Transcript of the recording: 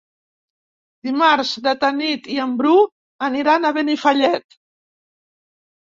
Dimarts na Tanit i en Bru aniran a Benifallet.